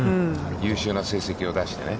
優秀な成績を出してね。